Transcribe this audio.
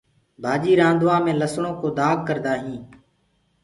ڀآڃي رآندوآ مي لسڻو ڪو دآگ ڪردآ هينٚ۔